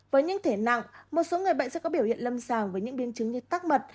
với những thể nặng một số người bệnh sẽ có biểu hiện lâm sàng với những biến chứng như tắc mật